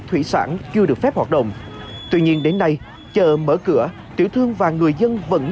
thủy sản chưa được phép hoạt động tuy nhiên đến nay chờ mở cửa tiểu thương và người dân vẫn